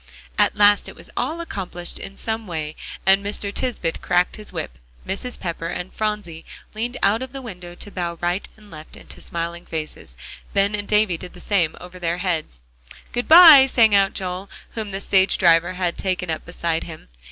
At last it was all accomplished in some way, and Mr. Tisbett cracked his whip, Mrs. Pepper and Phronsie leaned out of the window to bow right and left into smiling faces, Ben and Davie did the same over their heads. "Good by," sang out Joel, whom the stage driver had taken up beside him.